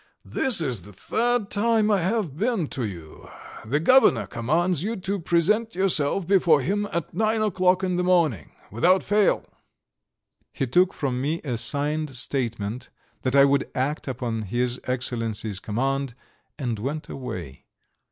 "This is the third time I have been to you. The Governor commands you to present yourself before him at nine o'clock in the morning. Without fail." He took from me a signed statement that I would act upon his Excellency's command, and went away.